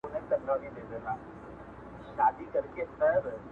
حتمن یې داسې خیالونه هم پنځولي دي